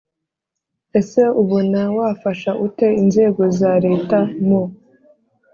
Ese ubona wafasha ute inzego za Leta mu